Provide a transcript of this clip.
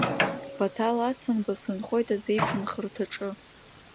Баҭал Ацанба, сынхоит азеиԥш нхарҭаҿы.